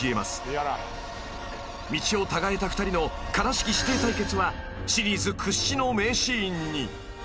［道をたがえた２人の悲しき師弟対決はシリーズ屈指の名シーンに］